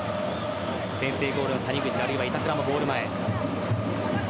先制ゴールの谷口、板倉もゴール前。